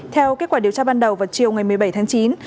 theo kết quả điều tra ban đầu vào chiều ngày một mươi bảy tháng chín